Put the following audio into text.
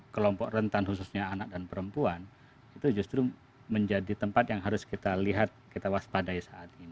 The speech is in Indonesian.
kelompok rentan khususnya anak dan perempuan itu justru menjadi tempat yang harus kita lihat kita waspadai saat ini